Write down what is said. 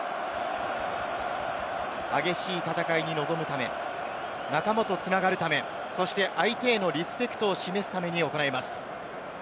激しい戦いに臨むため、仲間と繋がるため、そして相手へのリスペクトを示すために行われます。